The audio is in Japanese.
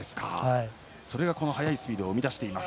それがこの速いスピードを生み出しています。